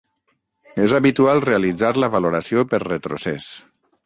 És habitual realitzar la valoració per retrocés.